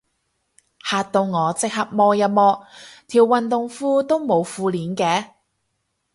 嚇到我即刻摸一摸，條運動褲都冇褲鏈嘅